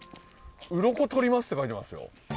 「うろこ取ります」って書いてますよ。